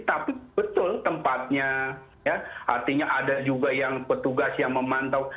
tapi betul tempatnya artinya ada juga yang petugas yang memantau